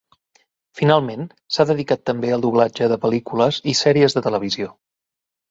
Finalment, s'ha dedicat també al doblatge de pel·lícules i sèries de televisió.